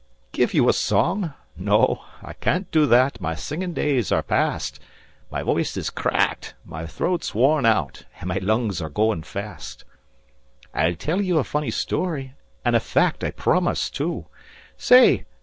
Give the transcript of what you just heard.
Give you a song? No, I can't do that; my singing days are past; My voice is cracked, my throat's worn out, and my lungs are going fast. "I'll tell you a funny story, and a fact, I promise, too. Say!